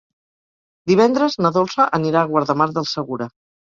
Divendres na Dolça anirà a Guardamar del Segura.